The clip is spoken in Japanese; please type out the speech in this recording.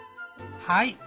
はい。